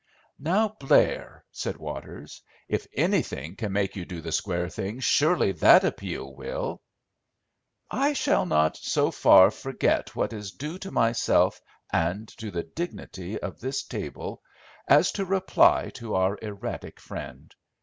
"Now, Blair," said Waters, "if anything can make you do the square thing surely that appeal will." "I shall not so far forget what is due to myself and to the dignity of this table as to reply to our erratic friend.